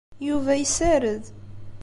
Yuba yessared.